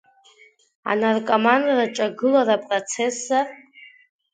Анаркоманра ҿагылара процессзар?